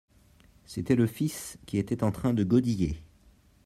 C'était le fils qui était en train de godiller.